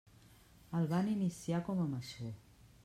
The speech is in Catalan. El van iniciar com a maçó.